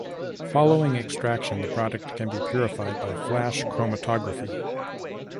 Following extraction, the product can be purified by flash chromatography.